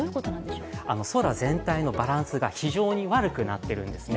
空全体の状況が非常に悪くなっているんですね。